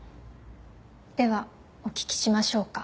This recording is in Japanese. ではお聞きしましょうか。